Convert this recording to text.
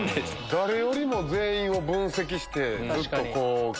誰よりも全員を分析して。